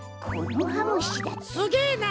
すげえな！